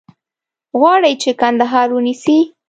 غواړي چې کندهار ونیسي.